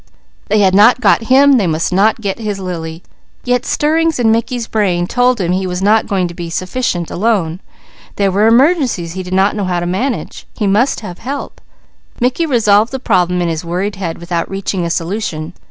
They had not "got" him; they must not "get" his Lily; yet stirrings in Mickey's brain told him he was not going to be sufficient, alone. There were emergencies he did not know how to manage. He must have help. Mickey revolved the problem in his worried head without reaching a solution.